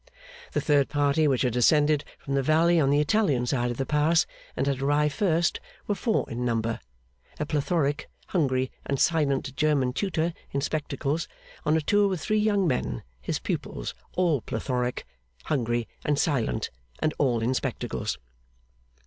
The third party, which had ascended from the valley on the Italian side of the Pass, and had arrived first, were four in number: a plethoric, hungry, and silent German tutor in spectacles, on a tour with three young men, his pupils, all plethoric, hungry, and silent, and all in spectacles.